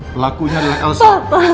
pelakunya adalah elsa